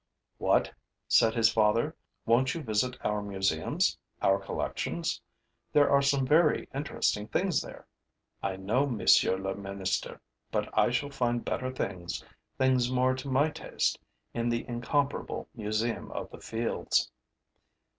'What!' said his father. 'Won't you visit our museums, our collections? There are some very interesting things there.' 'I know, monsieur le ministre, but I shall find better things, things more to my taste, in the incomparable museum of the fields.'